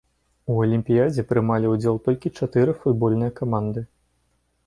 У алімпіядзе прымалі ўдзел толькі чатыры футбольныя каманды.